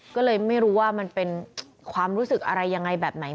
ก็เลยไม่รู้ว่ามันเป็นความรู้สึกอะไรยังไงแบบไหน